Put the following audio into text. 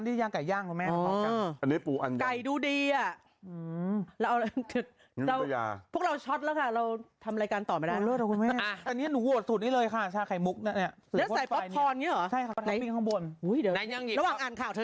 ท่านผู้ชมเห็นไหมคะ